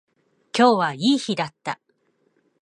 今日はいい日だった